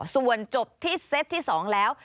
ส่วนจบที่เซตที่๒แล้ว